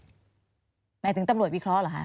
หมายถึงตำรวจวิเคราะห์เหรอคะ